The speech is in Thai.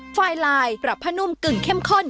ไฟลายปรับผ้านุ่มกึ่งเข้มข้น